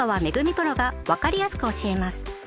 プロがわかりやすく教えます。